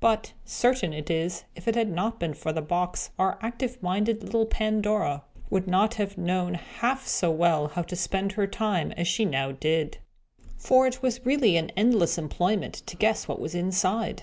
But, certain it is, if it had not been for the box, our active minded little Pandora would not have known half so well how to spend her time as she now did. For it was really an endless employment to guess what was inside.